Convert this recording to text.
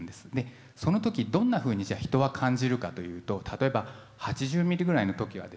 その時どんなふうにじゃあ人は感じるかというと例えば８０ミリぐらいの時はですね